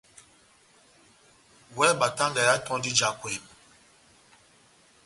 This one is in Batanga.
Wɛ batanga yá tondò ija ekwɛmi.